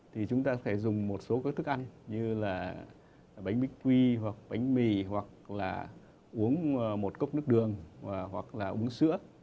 thì chúng ta có thể dùng một số các thức ăn như là bánh bích quy hoặc bánh mì hoặc là uống một cốc nước đường hoặc là uống sữa